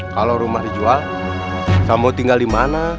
kalau rumah dijual kamu mau tinggal dimana